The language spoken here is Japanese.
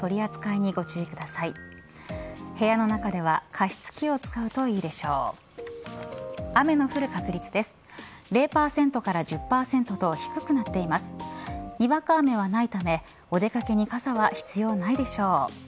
にわか雨はないためお出掛けに傘は必要ないでしょう。